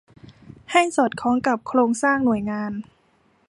ให้สอดคล้องกับโครงสร้างหน่วยงาน